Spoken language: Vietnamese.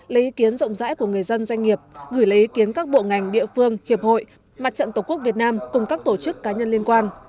lấy ý kiến rộng rãi của người dân doanh nghiệp gửi lấy ý kiến các bộ ngành địa phương hiệp hội mặt trận tổ quốc việt nam cùng các tổ chức cá nhân liên quan